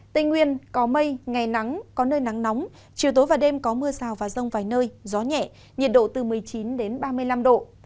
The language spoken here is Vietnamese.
tây nguyên có mây ngày nắng có nơi nắng nóng chiều tối và đêm có mưa rào và rông vài nơi gió nhẹ nhiệt độ từ một mươi chín ba mươi năm độ